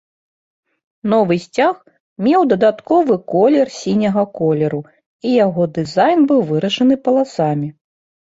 Новы сцяг меў дадатковы колер сіняга колеру і яго дызайн быў вырашаны паласамі.